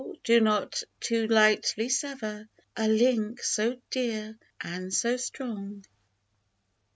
do not too lightly sever A link so dear and so strong